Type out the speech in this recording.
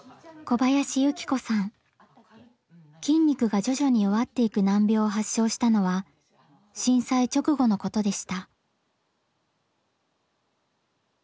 筋肉が徐々に弱っていく難病を発症したのは震災直後のことでした。